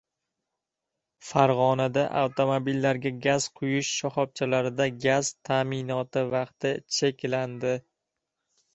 Farg‘onada avtomobillarga gaz quyish shoxobchalarida gaz ta’minoti vaqti cheklandi